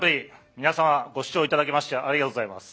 皆さまご視聴頂きましてありがとうございます。